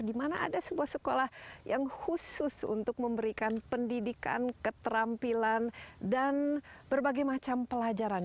di mana ada sebuah sekolah yang khusus untuk memberikan pendidikan keterampilan dan berbagai macam pelajaran